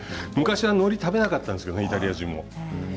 昔は、のりを食べなかったんですよイタリア人も。